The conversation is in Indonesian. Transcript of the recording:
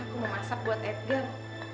aku mau masak buat edgar